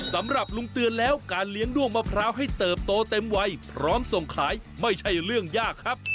สำหรับลุงเตือนแล้วการเลี้ยงด้วงมะพร้าวให้เติบโตเต็มวัยพร้อมส่งขายไม่ใช่เรื่องยากครับ